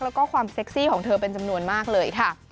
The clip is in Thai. แล้วก็ความเซ็กซี่ของเธอเป็นจำนวนมากเลยค่ะ